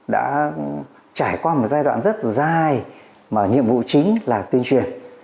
đã trải qua một giai đoạn rất dài mà nhiệm vụ chính là tuyên truyền